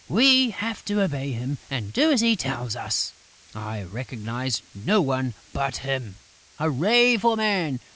We have to obey him and do as he tells us!... I recognise no one but him!... Hurrah for Man!...